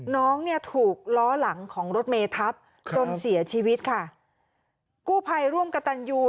น้องเนี่ยถูกล้อหลังของรถเมทับจนเสียชีวิตค่ะกู้ภัยร่วมกับตันยู